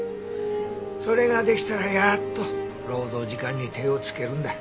それが出来たらやっと労働時間に手をつけるんだ。